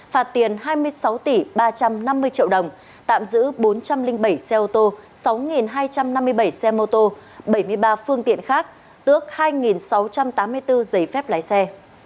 phạt tiền hai mươi sáu tỷ ba trăm năm mươi triệu đồng tạm giữ bốn trăm linh bảy xe ô tô sáu hai trăm năm mươi bảy xe mô tô bảy mươi ba phương tiện khác tước hai sáu trăm tám mươi bốn giấy phép lái xe